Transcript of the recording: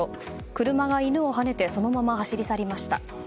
車が犬をはねてそのまま走り去りました。